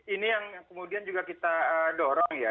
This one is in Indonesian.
ini yang kemudian juga kita dorong ya